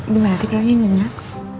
dimana tiga ini nenek